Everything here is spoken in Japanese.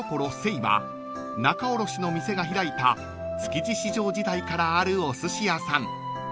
［仲卸の店が開いた築地市場時代からあるおすし屋さん］